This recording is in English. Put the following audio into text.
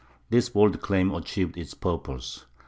This bold claim achieved its purpose.